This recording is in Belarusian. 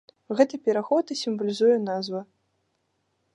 Гэты пераход і сімвалізуе назва.